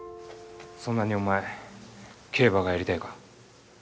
そんなにお前競馬がやりたいか。